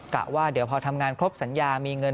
กะว่าเดี๋ยวพอทำงานครบสัญญา